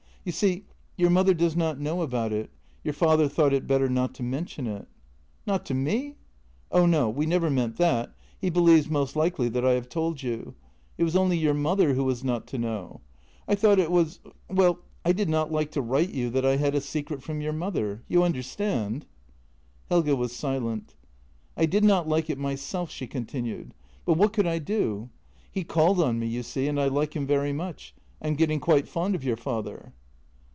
You see, your mother does not know about it; your father thought it better not to men tion it." " Not to me? "" Oh no, we never meant that. He believes most likely that I have told you. It was only your mother who was not to know. I thought it was — well, I did not like to write you that I had a secret from your mother. You understand? " Helge was silent. " I did not like it myself," she continued. " But what could I do? He called on me, you see, and I like him very much. I am getting quite fond of your father."